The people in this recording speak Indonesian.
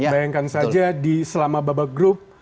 bayangkan saja selama babak grup